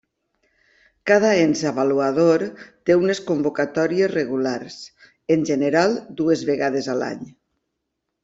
Cada ens avaluador té unes convocatòries regulars, en general dues vegades a l'any.